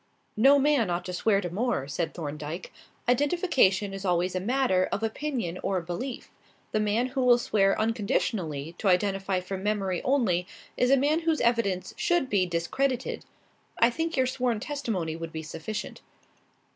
"No man ought to swear to more," said Thorndyke. "Identification is always a matter of opinion or belief. The man who will swear unconditionally to identity from memory only is a man whose evidence should be discredited. I think your sworn testimony would be sufficient."